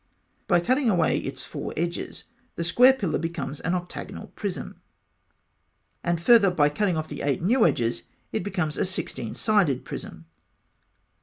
By cutting away its four edges, the square pillar becomes an octagonal prism, and further, by cutting off the eight new edges, it becomes a sixteen sided prism.